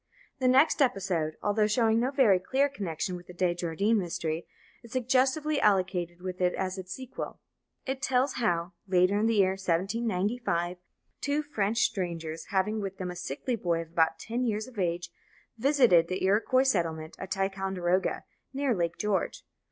The next episode, although showing no very clear connection with the De Jardin mystery, is suggestively allocated with it as its sequel. It tells how, later in the year 1795, two French strangers, having with them a sickly boy of about ten years of age, visited the Iroquois settlement at Ticonderoga, near Lake George.